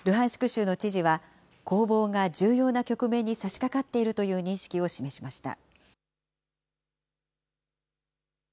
州の知事は、攻防が重要な局面にさしかかっているという認識を示しました。